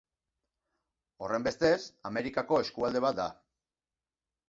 Horrenbestez, Amerikako eskualde bat da.